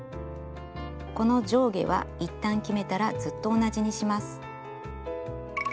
この上下は一旦決めたらずっと同じにします。